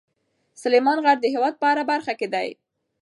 سلیمان غر د هېواد په هره برخه کې دی.